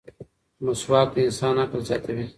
مسواک د انسان عقل زیاتوي.